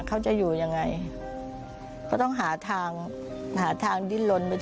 เขาจะอยู่ยังไง